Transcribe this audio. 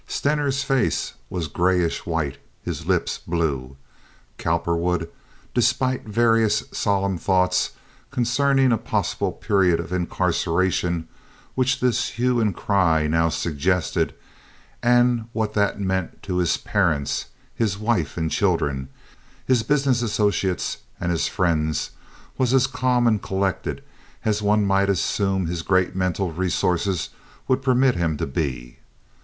Stener's face was grayish white, his lips blue. Cowperwood, despite various solemn thoughts concerning a possible period of incarceration which this hue and cry now suggested, and what that meant to his parents, his wife and children, his business associates, and his friends, was as calm and collected as one might assume his great mental resources would permit him to be.